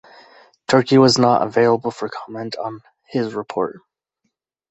"Turki was not available for comment on his report".